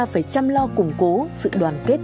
phải chăm lo củng cố sự đoàn kết